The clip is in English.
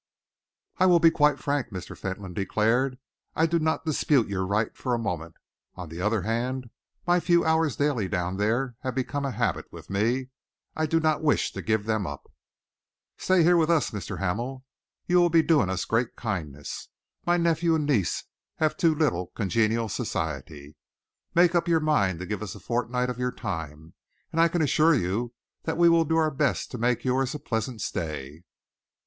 "I will be quite frank," Mr. Fentolin declared. "I do not dispute your right for a moment. On the other hand, my few hours daily down there have become a habit with me. I do not wish to give them up. Stay here with us, Mr. Hamel. You will be doing us a great kindness. My nephew and niece have too little congenial society. Make up your mind to give us a fortnight of your time, and I can assure you that we will do our best to make yours a pleasant stay."